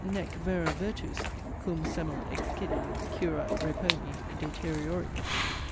'Nec vera virtus, cum semel excidit, Curat reponi deterioribus.'